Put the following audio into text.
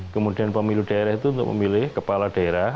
kemudian pemilu daerah itu untuk memilih kepala daerah